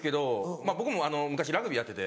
僕も昔ラグビーやってて。